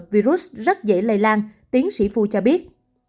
virus rất dễ lây lan tiến sĩ phu cho biết